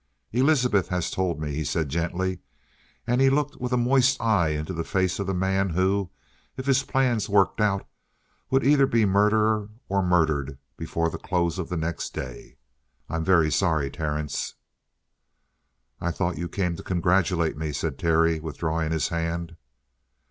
"Elizabeth has told me," he said gently, and he looked with a moist eye into the face of the man who, if his plans worked out, would be either murderer or murdered before the close of the next day. "I am very sorry, Terence." "I thought you came to congratulate me," said Terry, withdrawing his hand.